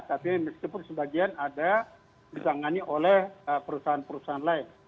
tapi meskipun sebagian ada ditangani oleh perusahaan perusahaan lain